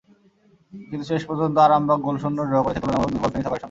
কিন্তু শেষ পর্যন্ত আরামবাগ গোলশূন্য ড্র করেছে তুলনামূলক দুর্বল ফেনী সকারের সঙ্গে।